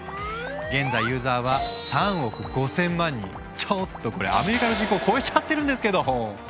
現在ユーザーはちょっとこれアメリカの人口超えちゃってるんですけど！